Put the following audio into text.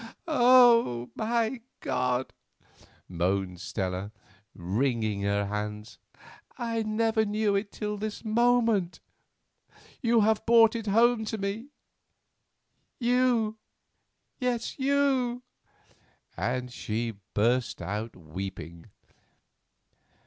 "Oh, my God!" moaned Stella, wringing her hands; "I never knew it till this moment. You have brought it home to me; you, yes, you!" and she burst out weeping.